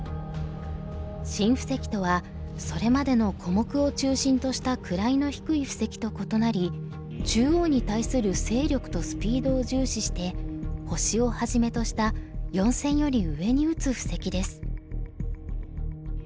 新布石とはそれまでの小目を中心とした位の低い布石と異なり中央に対する勢力とスピードを重視して星をはじめとした４線より上に打つ布石です。